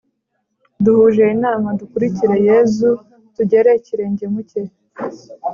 duhuje inama, dukurikire yezu, tugera ikirenge mu cye.